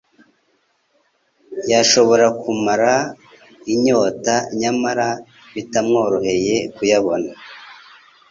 yashobora kumumara inyota nyamara bitamworohcye kuyabona.